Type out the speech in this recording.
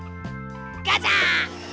ガチャ！